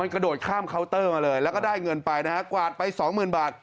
กระโดดข้ามเคาน์เตอร์มาเลยแล้วก็ได้เงินไปนะฮะกวาดไปสองหมื่นบาท